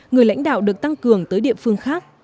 người lãnh đạo được tăng cường tới địa phương khác